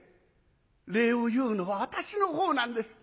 礼を言うのは私の方なんです。